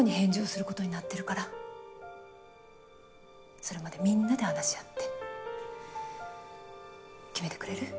それまでみんなで話し合って決めてくれる？